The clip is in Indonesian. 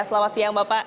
selamat siang bapak